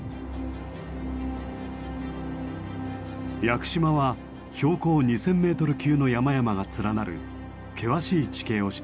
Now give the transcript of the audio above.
屋久島は標高２，０００ｍ級の山々が連なる険しい地形をしています。